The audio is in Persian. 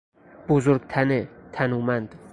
بزرگ تنه، تنومند